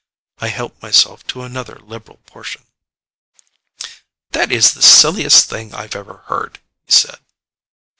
I helped myself to another liberal portion. "That is the silliest thing I've ever heard," he said.